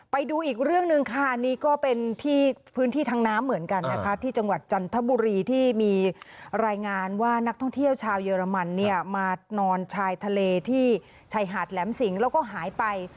ไปดูอีกเรื่องหนึ่งค่ะนี่ก็เป็นที่พื้นที่ทางน้ำเหมือนกันนะคะที่จังหวัดจันทบุรีที่มีรายงานว่านักท่องเที่ยวชาวเยอรมันเนี่ยมานอนชายทะเลที่ชายหาดแหลมสิงแล้วก็หายไป